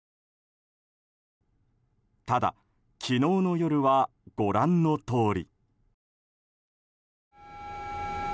ただ、昨日の夜はご覧のとおり。